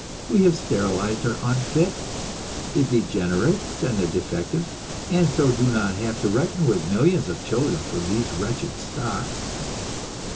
We have sterilized our unfit, the degenerates and the defectives, and so do not have to reckon with millions of children from these wretched stocks.